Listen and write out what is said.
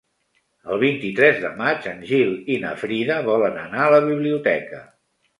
El vint-i-tres de maig en Gil i na Frida volen anar a la biblioteca.